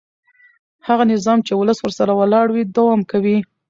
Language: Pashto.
هغه نظام چې ولس ورسره ولاړ وي دوام کوي